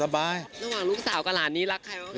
ระหว่างลูกสาวกับหลานนี้รักใครบ้างคะ